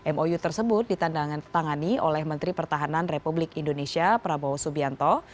mou tersebut ditandatangani oleh menteri pertahanan republik indonesia prabowo subianto